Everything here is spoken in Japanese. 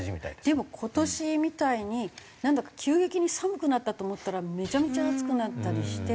でも今年みたいになんだか急激に寒くなったと思ったらめちゃめちゃ暑くなったりして。